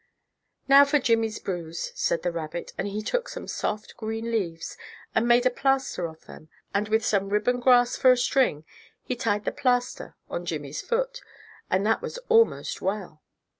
"Now for Jimmie's bruise," said the rabbit, and he took some soft green leaves, and made a plaster of them, and with some ribbon grass for a string he tied the plaster on Jimmie's foot, and that was almost well.